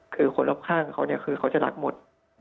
คือคนรับข้างเขาคือเขาจะรักหมด